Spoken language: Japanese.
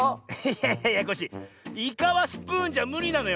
いやいやコッシーイカはスプーンじゃむりなのよ。